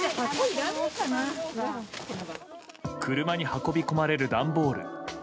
車に運び込まれる段ボール。